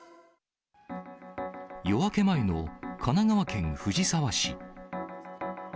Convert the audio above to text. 夜明け前の神奈川県藤沢市。